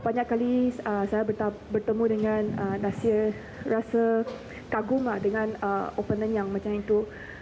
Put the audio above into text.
banyak kali saya bertemu dengan nasir rasa kaguma dengan opening yang macam itu